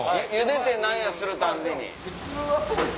茹でて何やするたんびに。